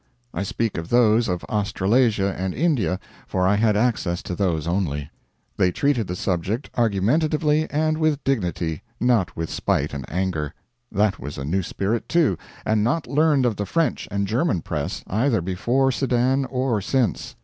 I speak of those of Australasia and India, for I had access to those only. They treated the subject argumentatively and with dignity, not with spite and anger. That was a new spirit, too, and not learned of the French and German press, either before Sedan or since.